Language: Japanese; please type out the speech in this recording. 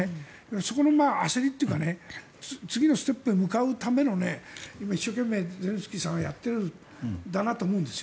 そこの焦りというか次のステップへ向かうための今、一生懸命ゼレンスキーさんはやっているんだなと思うんですよ。